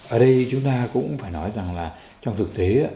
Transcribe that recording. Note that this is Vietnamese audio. ở đây chúng ta cũng phải nói rằng là trong thực tế